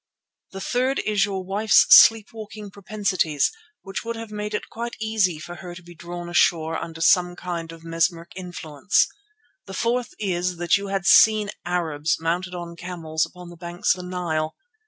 The third is your wife's sleep walking propensities, which would have made it quite easy for her to be drawn ashore under some kind of mesmeric influence. The fourth is that you had seen Arabs mounted on camels upon the banks of the Nile.